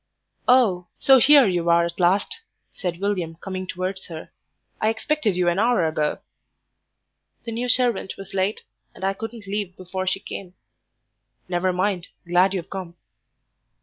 "Oh, so here you are at last," said William, coming towards her. "I expected you an hour ago." "The new servant was late, and I couldn't leave before she came." "Never mind; glad you've come."